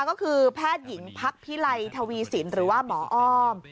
ก็คือแพทย์หญิงพักพิไลทวีสินหรือว่าหมออ้อม